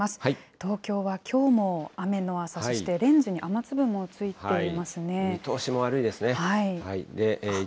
東京はきょうも雨の朝、そして、見通しも悪いですね。